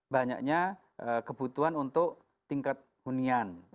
banyaknya kebutuhan untuk tingkat hunian